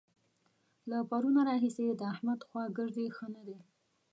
له پرونه راهسې د احمد خوا ګرځي؛ ښه نه دی.